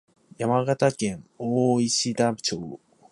山形県大石田町